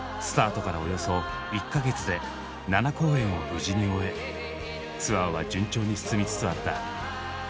スタートからおよそ１か月で７公演を無事に終えツアーは順調に進みつつあった。